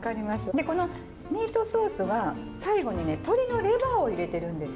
でこのミートソースが最後にね鶏のレバーを入れてるんです。